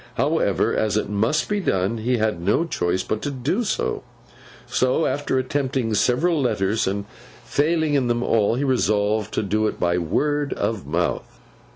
However, as it must be done, he had no choice but to do it; so, after attempting several letters, and failing in them all, he resolved to do it by word of mouth.